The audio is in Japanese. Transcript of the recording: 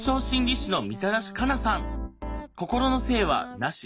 心の性は無し。